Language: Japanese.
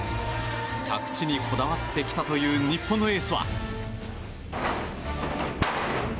着地にこだわってきたという日本のエースは。